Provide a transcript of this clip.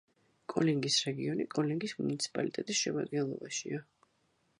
კოლინგის რეგიონი კოლინგის მუნიციპალიტეტის შემადგენლობაშია.